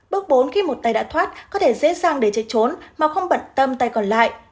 bước bốn khi một tay đã thoát có thể dễ dàng để chạy trốn mà không bận tâm tay còn lại